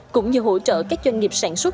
cũng như hỗ trợ các doanh nghiệp sản xuất